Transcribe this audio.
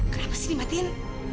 kenapa sih dimatikan